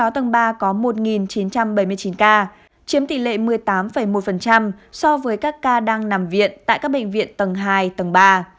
sáu tầng ba có một chín trăm bảy mươi chín ca chiếm tỷ lệ một mươi tám một so với các ca đang nằm viện tại các bệnh viện tầng hai tầng ba